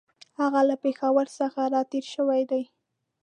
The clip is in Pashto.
هغه له پېښور څخه را تېر شوی دی.